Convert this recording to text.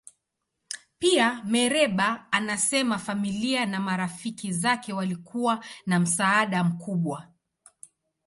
Pia, Mereba anasema familia na marafiki zake walikuwa na msaada mkubwa.